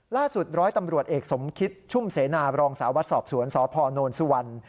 ล่าสุดร้อยตำรวจเอกสมคิตชุ่มเสนาบรองสาววัดสอบสวนสพนสุวรรณ